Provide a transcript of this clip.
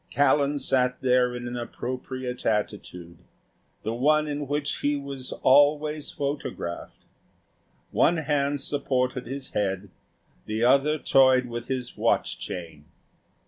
Callan sat there in an appropriate attitude the one in which he was always photographed. One hand supported his head, the other toyed with his watch chain.